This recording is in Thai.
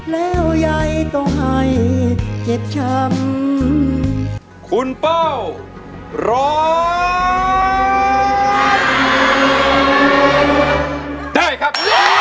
แล้วยายต้องให้เจ็บช้ำคุณเป้าร้องได้ครับ